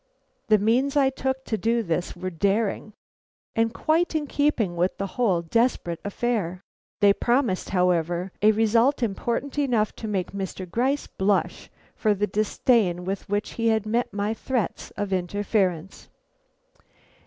The means I took to do this were daring, and quite in keeping with the whole desperate affair. They promised, however, a result important enough to make Mr. Gryce blush for the disdain with which he had met my threats of interference.